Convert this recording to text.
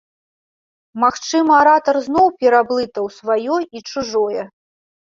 Магчыма, аратар зноў пераблытаў сваё і чужое?